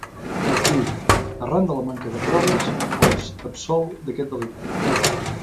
I, arran de la manca de proves, els absol d’aquest delicte.